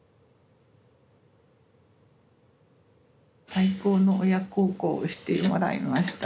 最高の親孝行をしてもらいました。